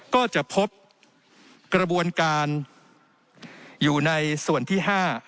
ก็จะพบกระบวนการอยู่ในส่วนที่๕